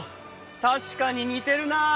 確かに似てるなあ。